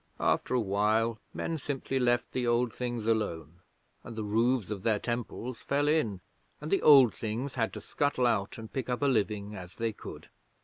After a while, men simply left the Old Things alone, and the roofs of their temples fell in, and the Old Things had to scuttle out and pick up a living as they could.